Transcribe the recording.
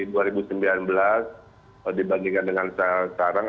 dibandingkan dengan sekarang